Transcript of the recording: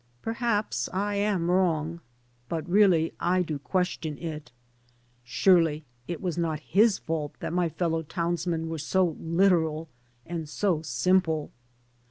Perhaps I am wrong; but really I do question it. Surely it was not his fault that my fellow townsmen were so literal and so simple.